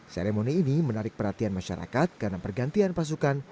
seremoni ini menarik perhatian masyarakat karena pergantian pasukan